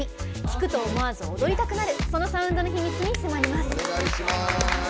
聴くと思わず踊りたくなるそのサウンドの秘密に迫ります。